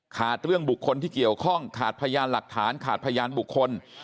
เรื่องบุคคลที่เกี่ยวข้องขาดพยานหลักฐานขาดพยานบุคคล